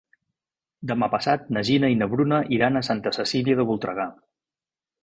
Demà passat na Gina i na Bruna iran a Santa Cecília de Voltregà.